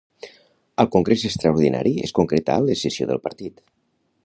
Al congrés extraordinari es concretà l'escissió del partit.